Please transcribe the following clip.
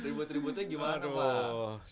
ribut ributnya gimana pak